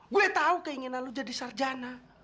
gue tahu keinginan lo jadi sarjana